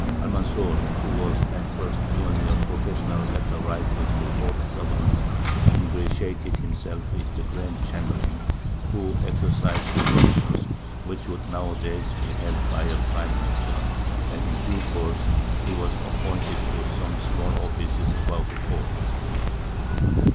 Almanzor, who was at first merely a professional letter writer to the court servants, ingratiated himself with the Grand Chamberlain, who exercised the functions which would nowadays be held by a Prime Minister, and in due course he was appointed to some small offices about the court.